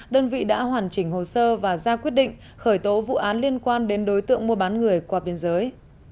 đơn vị đã hoàn chỉnh hồ sơ và ra quyết định khởi tố vụ án liên quan đến đối tượng mua bán người qua biên giới